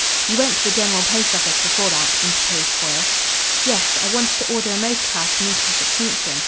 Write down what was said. "You went to the General Post Office before that," interposed Foyle. "Yes, I wanted to order a motor car to meet us at Kingston.